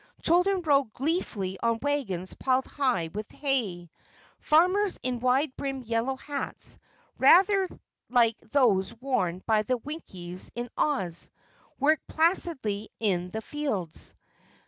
Children rode gleefully on wagons piled high with hay. Farmers in wide brimmed yellow hats, rather like those worn by the Winkies in Oz, worked placidly in the fields.